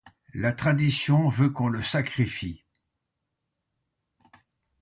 La tradition veut qu'on le sacrifie.